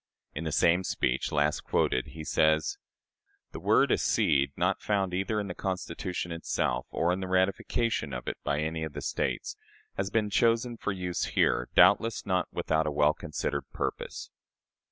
In the same speech, last quoted, he says: "This word 'accede,' not found either in the Constitution itself or in the ratification of it by any one of the States, has been chosen for use here, doubtless not without a well considered purpose.